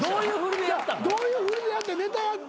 どういう振りでやってんネタやって？